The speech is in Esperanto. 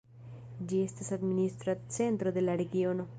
Ĝi estas administra centro de la regiono.